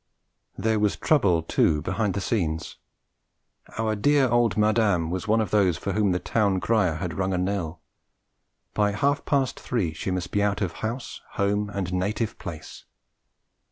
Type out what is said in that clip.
There was trouble, too, behind the scenes. Our dear old Madame was one of those for whom the town crier had rung a knell; by half past three she must be out of house, home, and native place.